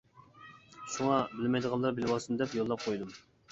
شۇڭا، بىلمەيدىغانلار بىلىۋالسۇن دەپ يوللاپ قويدۇم.